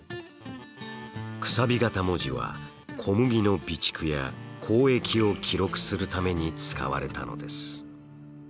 楔形文字は小麦の備蓄や交易を記録するために使われたのです。